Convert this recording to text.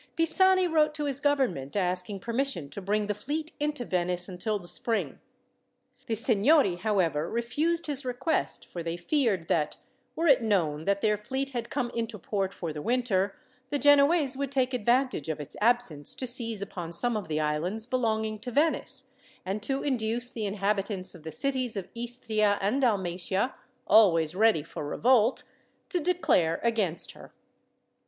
Pisani wrote to his government asking permission to bring the fleet into Venice until the spring. The seignory, however, refused his request, for they feared that, were it known that their fleet had come into port for the winter, the Genoese would take advantage of its absence to seize upon some of the islands belonging to Venice, and to induce the inhabitants of the cities of Istria and Dalmatia, always ready for revolt, to declare against her.